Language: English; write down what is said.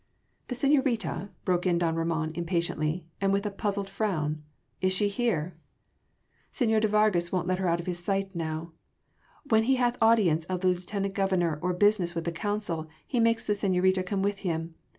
"The señorita?" broke in don Ramon impatiently, and with a puzzled frown, "is she here?" "Señor de Vargas won’t let her out of his sight now. When he hath audience of the Lieutenant Governor or business with the council he makes the señorita come with him.